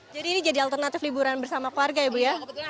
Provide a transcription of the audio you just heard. jadi ini jadi alternatif liburan bersama keluarga ya ibu ya